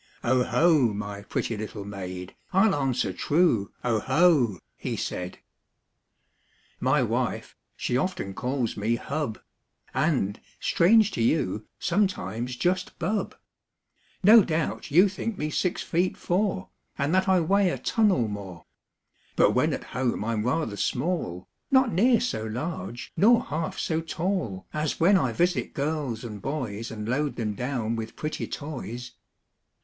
''" 0 ho ! my pretty little maid. I'll answer true, 0 ho !" he said. Copyrighted, 1897. Y wife, she often calls me hub, ^ And, strange to you, sometimes just bub, No doubt you think me six feet, four, And that I weigh a ton or more, But when at home I'm rather small, Not near so large nor half so tall As when I visit girls and boys And load them down with pretty toys."